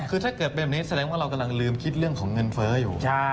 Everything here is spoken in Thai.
คือถ้าเกิดเป็นแบบนี้แสดงว่าเรากำลังลืมคิดเรื่องของเงินเฟ้ออยู่